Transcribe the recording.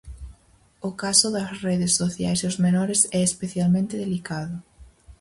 O caso das redes sociais e os menores é especialmente delicado.